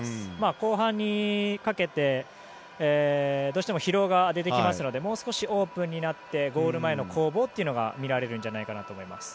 後半にかけてどうしても疲労が出てきますのでもう少しオープンになってゴール前の攻防というのが見られるんじゃないかなと思います。